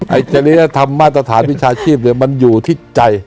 จริยธรรมมาตรฐานวิชาชีพมันอยู่ที่ใจ